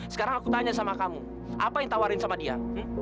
sekarang aku tanya sama kamu apa yang tawarin sama dia